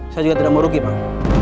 saya juga tidak mau rugi bang